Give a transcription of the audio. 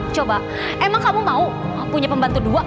coba emang kamu mau punya pembantu dua